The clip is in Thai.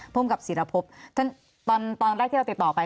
พมศิลปพท่านตอนแรกที่เราติดต่อไป